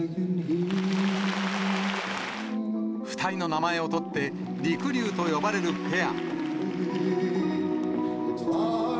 ２人の名前を取って、りくりゅうと呼ばれるペア。